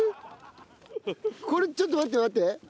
これちょっと待って待って。